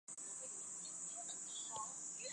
梅尔科厄。